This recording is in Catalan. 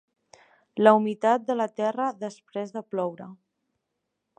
La humitat de la terra després de ploure.